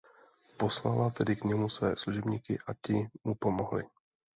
Poslala tedy k němu své služebníky a ti mu pomohli.